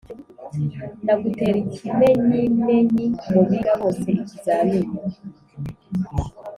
Nagutera ikimenyimenyi mu biga bose-Ikizamini.